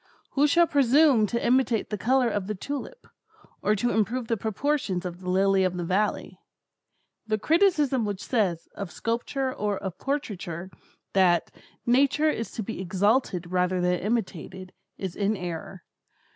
Who shall presume to imitate the colors of the tulip, or to improve the proportions of the lily of the valley? The criticism which says, of sculpture or of portraiture, that "Nature is to be exalted rather than imitated," is in error.